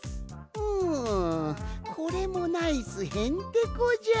ううんこれもナイスへんてこじゃ！